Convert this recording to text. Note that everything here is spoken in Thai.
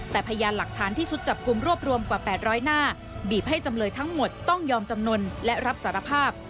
แต่พยานหลักฐานที่ชุดจับกลุ่มรวบรวมกว่า๘๐๐หน้าบีบให้จำเลยทั้งหมดต้องยอมจำนวนและรับสารภาพ